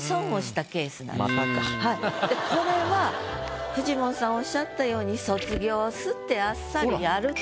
これはフジモンさんおっしゃったように「卒業す」ってあっさりやると。